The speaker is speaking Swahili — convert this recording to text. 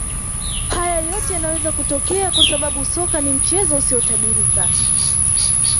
Haya yote yanaweza kutokea kwa sababu soka ni mchezo usiotabirika